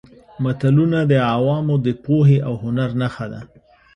متلونه د عوامو د پوهې او هنر نښه ده